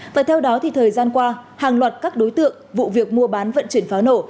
và theo đó thì thời gian qua hàng loạt các đối tượng vụ việc mua bán vận chuyển pháo nổ